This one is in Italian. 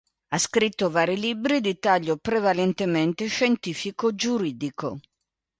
Ha scritto vari libri, di taglio prevalentemente scientifico-giuridico.